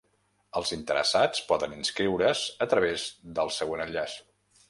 Els interessats poden inscriure’s a través del següent enllaç.